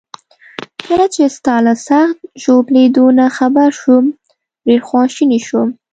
کله چي ستا له سخت ژوبلېدو نه خبر شوم، ډیر خواشینی شوم.